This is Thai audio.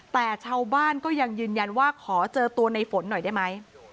แต่ชาวบ้านก็ยังยืนยันว่าขอเจอตัวในฝนหน่อยได้ไหม